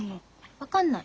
分かんない。